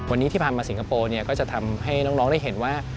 วันนี้ที่ผ่านมาสิงคโปร์ก็จะทำให้น้องได้เห็นว่า